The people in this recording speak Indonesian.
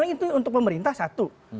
itu untuk pemerintah satu